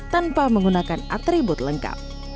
tanpa menggunakan atribut lengkap